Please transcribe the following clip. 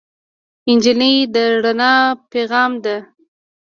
نجلۍ د رڼا پېغام ده.